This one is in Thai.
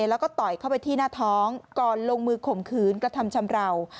แล้วก็ต่อยเข้าไปที่หน้าท้องก่อนลงมือข่มขืนกระทำชำราว